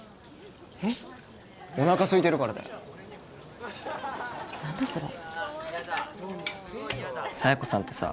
えっおなかすいてるからだよ何だそれ佐弥子さんってさ